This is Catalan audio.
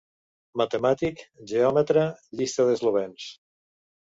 Matemàtic, Geòmetra, Llista d'eslovens.